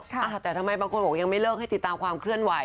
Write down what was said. แต่ทำไมบางคนบอกยังไม่เลิกให้ติดตามความเคลื่อนไหว